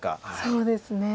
そうですね。